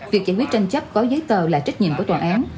việc giải quyết tranh chấp có giấy tờ là trách nhiệm của tòa án